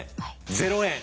０円。